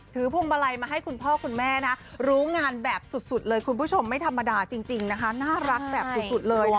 พวงมาลัยมาให้คุณพ่อคุณแม่นะรู้งานแบบสุดเลยคุณผู้ชมไม่ธรรมดาจริงนะคะน่ารักแบบสุดเลย